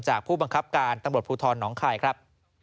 ผู้บังคับการตำรวจภูทรน้องคายครับ